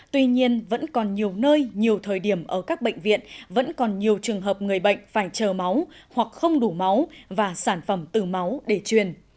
tuy nhiên vẫn còn nhiều nơi nhiều thời điểm ở các bệnh viện vẫn còn nhiều trường hợp người bệnh phải chờ máu hoặc không đủ máu và sản phẩm từ máu để truyền